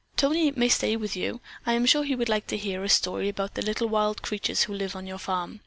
Tony may stay with you. I am sure he would like to hear a story about the little wild creatures who live on your farm."